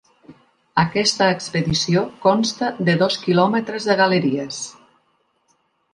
Aquesta expedició consta de dos quilòmetres de galeries.